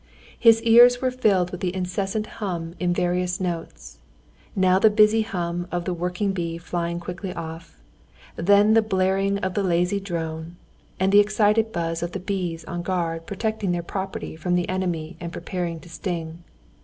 His ears were filled with the incessant hum in various notes, now the busy hum of the working bee flying quickly off, then the blaring of the lazy drone, and the excited buzz of the bees on guard protecting their property from the enemy and preparing to sting.